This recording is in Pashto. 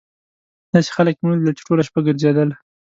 داسې خلک مې ولیدل چې ټوله شپه ګرځېدل.